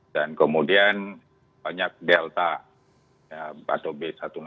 dan kemudian banyak delta atau b seribu enam ratus tujuh belas